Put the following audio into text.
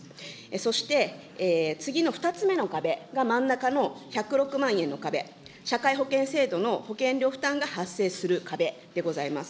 そして、次の２つ目の壁が真ん中の１０６万円の壁、社会保険制度の保険料負担が発生する壁でございます。